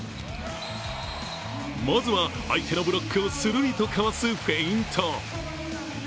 まずは相手のブロックをするりとかわすフェイント。